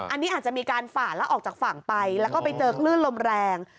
อันนี้อาจจะมีการฝ่าแล้วออกจากฝั่งไปแล้วก็ไปเจอคลื่นลมแรง